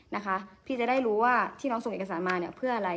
นะคะพี่จะได้รู้ว่าที่น้องส่งเอกสารมาเนี่ยเพื่ออะไร